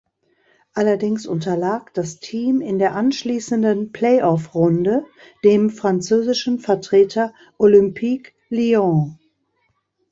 Allerdings unterlag das Team in der anschließenden Play-off-Runde dem französischen Vertreter Olympique Lyon.